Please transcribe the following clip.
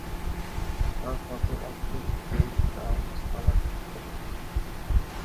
তার পদে অচ্যুত দেব রায় স্থলাভিষিক্ত হন।